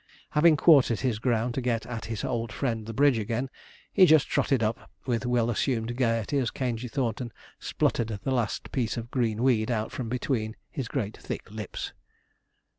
Having quartered his ground to get at his old friend the bridge again, he just trotted up with well assumed gaiety as Caingey Thornton spluttered the last piece of green weed out from between his great thick lips.